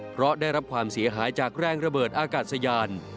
เพราะได้รับความเสียหายจากแรงระเบิดอากาศยาน